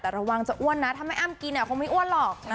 แต่ระวังจะอ้วนนะถ้าแม่อ้ำกินคงไม่อ้วนหรอก